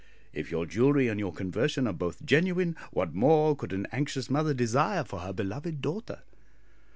If your jewellery and your conversion are both genuine, what more could an anxious mother desire for her beloved daughter?'"